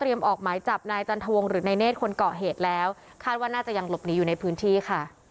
ออกหมายจับนายจันทวงหรือนายเนธคนเกาะเหตุแล้วคาดว่าน่าจะยังหลบหนีอยู่ในพื้นที่ค่ะ